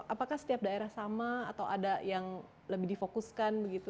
apakah setiap daerah sama atau ada yang lebih difokuskan begitu